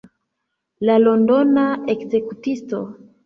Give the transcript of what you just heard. La Londona ekzekutisto.